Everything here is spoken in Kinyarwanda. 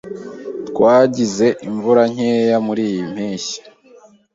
Twagize imvura nkeya muriyi mpeshyi.